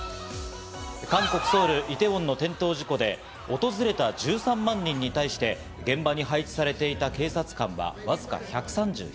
韓国・ソウル、イテウォンの転倒事故で訪れた１３万人に対し、現場に配置されていた警察官はわずか１３７人。